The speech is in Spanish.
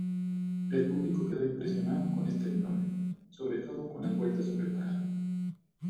El público quedó impresionado con este binomio, sobre todo con las vueltas sobre parado.